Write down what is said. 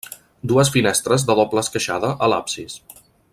Dues finestres de doble esqueixada a l'absis.